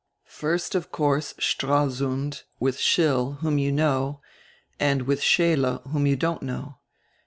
"First, of course, Stralsund, with Schill, whom you know, and with Scheele, whom you don't know.